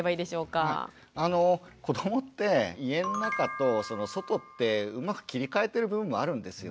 子どもって家の中と外ってうまく切り替えてる部分もあるんですよね。